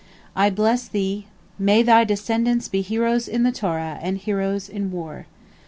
I bless thee—may thy descendants be heroes in the Torah and heroes in war.